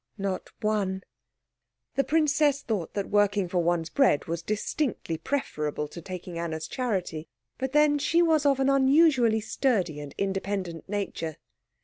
"Not one." The princess thought that working for one's bread was distinctly preferable to taking Anna's charity; but then she was of an unusually sturdy and independent nature.